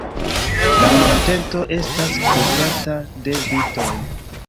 La monteto estas kovrata de vitoj.